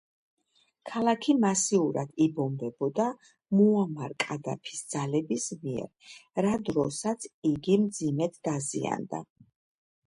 ქალაქი მასიურად იბომბებოდა მუამარ კადაფის ძალების მიერ, რა დროსაც იგი მძიმედ დაზიანდა.